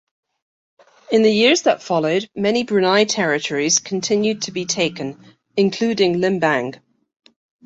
In the years that followed, many Brunei territories continued to be taken, including Limbang.